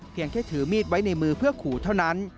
แค่ถือมีดไว้ในมือเพื่อขู่เท่านั้น